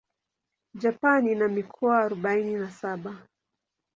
Japan ina mikoa arubaini na saba.